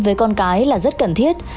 với con cái là rất cần thiết